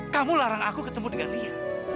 kamu larang aku ketemu dengan dia